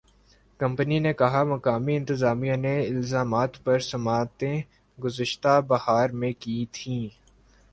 company نے کہا مقامی انتظامیہ نے الزامات پر سماعتیں گذشتہ بہار میں کی تھیں